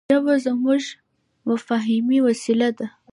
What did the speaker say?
ژبه زموږ د مفاهيمي وسیله ده.